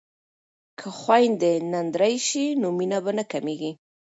که خویندې نندرې شي نو مینه به نه کمیږي.